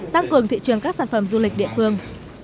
tăng cường thị trường các sản phẩm du lịch địa phương